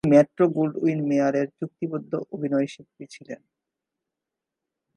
তিনি মেট্রো-গোল্ডউইন-মেয়ারের চুক্তিবদ্ধ অভিনয়শিল্পী ছিলেন।